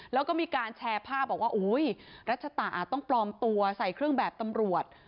แล้วก็มีการแชร์ภาพบอกว่าอุ้ยรัชตะอาจต้องปลอมตัวใส่เครื่องแบบตำรวจ